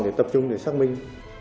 để tập trung để xác minh